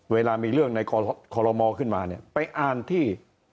เวลามีเรื่องในคลมขึ้นมาไปอ่านที่